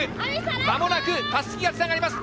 間もなく襷がつながります。